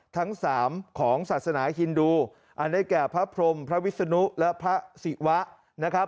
ทั้งสามของศาสนาฮินดูอันได้แก่พระพรมพระวิศนุและพระศิวะนะครับ